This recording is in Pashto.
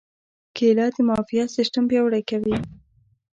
کېله د معافیت سیستم پیاوړی کوي.